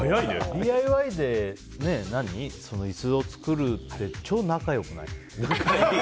ＤＩＹで椅子を作るって超仲良くない？